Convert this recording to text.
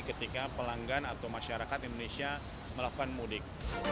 ketika pelanggan atau masyarakat indonesia melakukan mudik